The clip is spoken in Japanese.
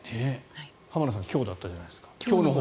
浜田さん「強」だったじゃないですか。